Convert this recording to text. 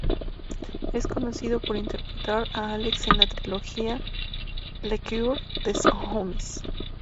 Es conocido por interpretar a Alex en la trilogía "Le coeur des hommes".